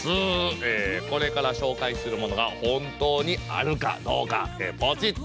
えこれからしょうかいするモノが本当にあるかどうかポチッと！